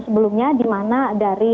sebelumnya dimana dari